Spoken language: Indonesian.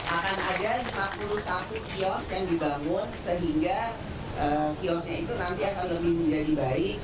akan ada lima puluh satu kios yang dibangun sehingga kiosnya itu nanti akan lebih menjadi baik